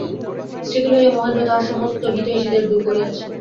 স্ত্রীকে লইয়া মহেন্দ্র তাহার সমস্ত হিতৈষীদের দূর করিয়াছে।